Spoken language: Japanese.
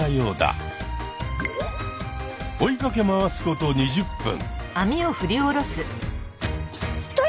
追いかけ回すこと２０分！